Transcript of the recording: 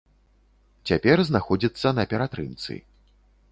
Цяпер знаходзіцца на ператрымцы.